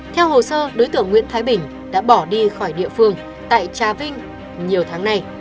theo hồ sơ đối tượng nguyễn thái bình đã bỏ đi khỏi địa phương tại trà vinh nhiều tháng nay